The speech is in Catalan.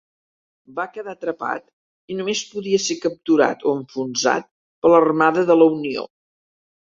Va quedar atrapat i només podia ser capturat o enfonsat per l'Armada de la Unió.